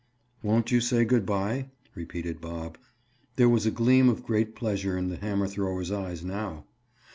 "Won't you say good by?" repeated Bob. There was a gleam of great pleasure in the hammer thrower's eyes now.